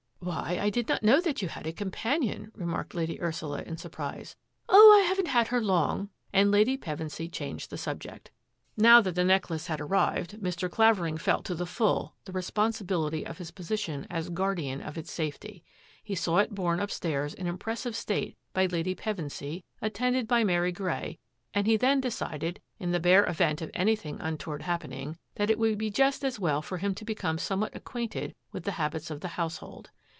" Why, I did not know that you had a compan ion,'' remarked Lady Ursula in surprise. " Oh, I haven't had her long," and Lady Pevensy changed the subject. Now that the necklace had arrived Mr. Claver ing felt to the full the responsibility of his posi tion as guardian of its safety. He saw it borne upstairs in impressive state by Lady Pevensy, attended by Mary Grey, and he then decided', in the bare event of anything untoward happening, that it would be just as well for him to become somewhat acquainted with the habits of the house hold.